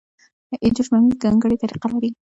ابجوش ممیز ځانګړې طریقه لري.